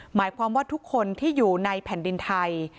หมายความว่าทุกคนที่อยู่ในแผ่นดินไทย